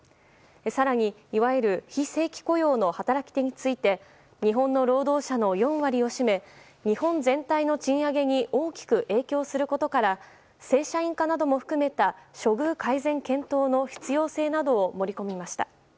更に、いわゆる非正規雇用の働き手について日本の労働者の４割を占め日本全体の賃上げに大きく影響することから正社員化なども含めた処遇改善検討の必要性などを盛り込みました。